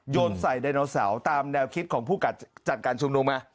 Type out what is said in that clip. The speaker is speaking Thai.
ใส่ไดโนเสาร์ตามแนวคิดของผู้จัดการชุมนุมมา